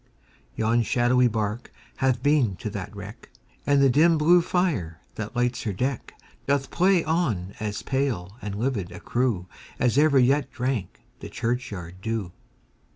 Yon shadowy bark hath been to that wreck, And the dim blue fire, that lights her deck, Doth play on as pale and livid a crewAs ever yet drank the churchyard dew.